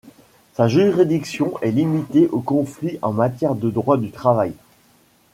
Sa juridiction est limitée aux conflits en matière de droit du travail.